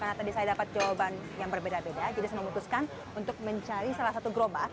karena tadi saya dapat jawaban yang berbeda beda jadi saya memutuskan untuk mencari salah satu gerobak